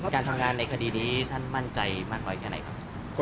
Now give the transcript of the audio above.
การทำงานในคดีนี้ท่านมั่นใจมากน้อยแค่ไหนครับ